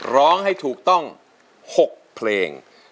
ร้องให้ถูกต้อง๖เพลง